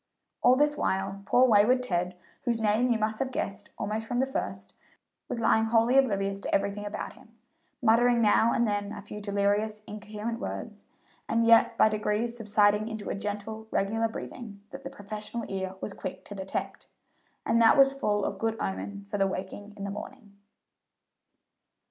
All this while poor wayward Ted, whose name you must have guessed almost from the first, was lying wholly oblivious to everything about him, muttering now and then a few delirious, incoherent words, and yet by degrees subsiding into a gentle, regular breathing that the professional ear was quick to detect, and that was full of good omen for the waking in the morning.